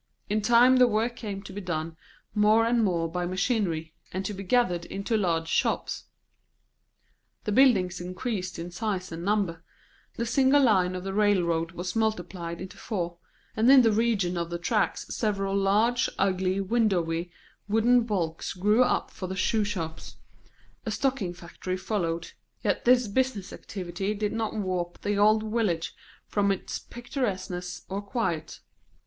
In time the work came to be done more and more by machinery, and to be gathered into large shops. The buildings increased in size and number; the single line of the railroad was multiplied into four, and in the region of the tracks several large, ugly, windowy wooden bulks grew up for shoe shops; a stocking factory followed; yet this business activity did not warp the old village from its picturesqueness or quiet.